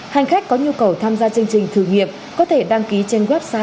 hành khách có nhu cầu tham gia chương trình thử nghiệm có thể đăng ký trên website